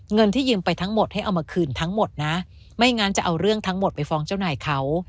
เงินที่ยืมไปทั้งหมดให้เอามาคืนทั้งหมดนะไม่งั้นจะเอาเรื่องทั้งหมดไปฟ้องเจ้านายเขา